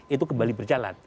itu kembali berjalan